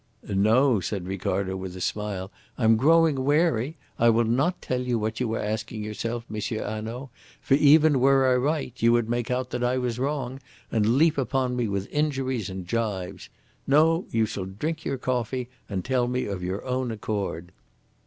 "No," said Ricardo, with a smile. "I am growing wary. I will not tell you what you were asking yourself, M. Hanaud. For even were I right you would make out that I was wrong, and leap upon me with injuries and gibes. No, you shall drink your coffee and tell me of your own accord."